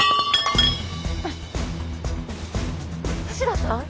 橋田さん。